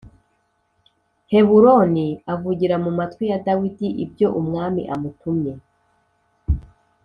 Heburoni avugira mu matwi ya Dawidi ibyo Umwami amutumye